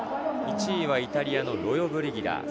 １位はイタリアのロヨブリギダ。